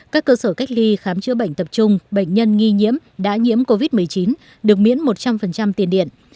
các cơ sở cách ly khám chữa bệnh tập trung bệnh nhân nghi nhiễm đã nhiễm covid một mươi chín được miễn một trăm linh tiền điện